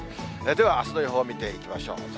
では、あすの予報を見ていきましょう。